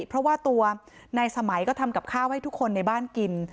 เพราะว่าตัวนายสมัยก็ทำกับข้าวให้ทุกคนในบ้านกิน